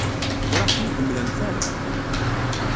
Ur aɣ-ten-id-temlamt ara.